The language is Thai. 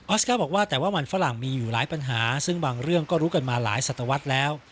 สก้าบอกว่าแต่ว่ามันฝรั่งมีอยู่หลายปัญหาซึ่งบางเรื่องก็รู้กันมาหลายสัตวรรษแล้ว